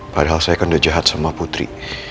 padahal saya kan udah jahat sama putri